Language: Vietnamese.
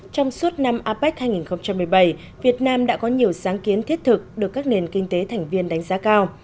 trong suốt năm apec hai nghìn một mươi bảy việt nam đã có nhiều sáng kiến thiết thực được các nền kinh tế thành viên đánh giá cao